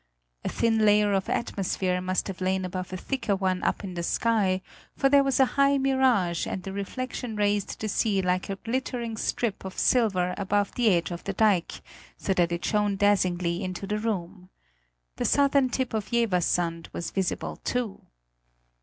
A thin layer of atmosphere must have lain above a thicker one up in the sky, for there was a high mirage and the reflection raised the sea like a glittering strip of silver above the edge of the dike, so that it shone dazzlingly into the room. The southern tip of Jeverssand was visible, too.